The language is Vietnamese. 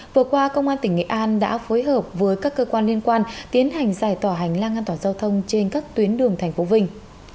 vừa qua công an tỉnh nghệ an đã phối hợp với các cơ quan liên quan tiến hành giải tỏa hành lang an toàn giao thông trên các tuyến đường tp vinh